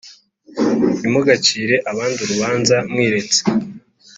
Ntimugacire abandi urubanza mwiretse